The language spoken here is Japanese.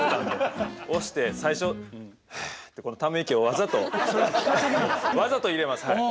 押して最初「はあ」ってため息をわざとわざと入れます。